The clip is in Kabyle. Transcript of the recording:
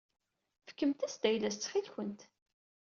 Fkemt-as-d ayla-as ttxil-kent.